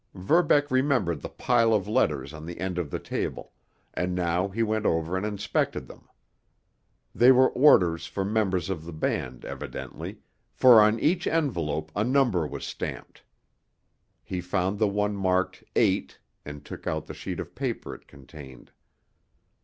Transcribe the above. Verbeck remembered the pile of letters on the end of the table, and now he went over and inspected them. They were orders for members of the band, evidently, for on each envelope a number was stamped. He found the one marked "Eight," and took out the sheet of paper it contained.